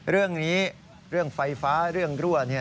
เรื่องนี้เรื่องไฟฟ้าเรื่องรั่ว